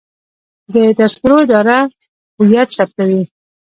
د تذکرو اداره هویت ثبتوي